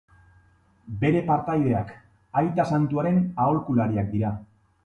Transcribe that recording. Bere partaideak, Aita Santuaren aholkulariak dira.